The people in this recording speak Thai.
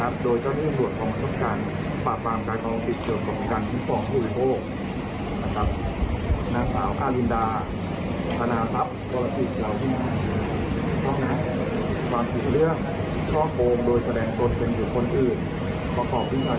เป็นหรือคนอื่นประกอบวิญญาณชื่อเฟศกรรมด้วยแม่ภิกษา